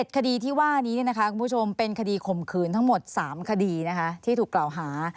คดีที่ว่านี้คุณผู้ชมเป็นคดีข่มขืนทั้งหมด๓คดีที่ถูกกล่าวหา